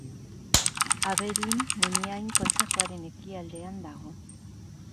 Aberin Muniain kontzejuaren ekialdean dago.